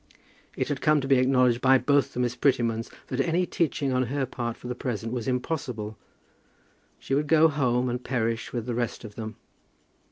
It had come to be acknowledged by both the Miss Prettymans that any teaching on her part for the present was impossible. She would go home and perish with the rest of them.